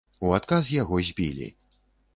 У адказ яго збілі.